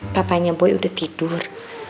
papanya boy udah tidur